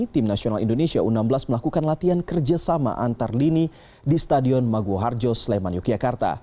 tim nasional indonesia u enam belas melakukan latihan kerjasama antar lini di stadion magu harjo sleman yogyakarta